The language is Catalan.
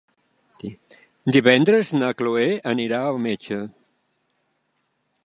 Divendres na Cloè anirà al metge.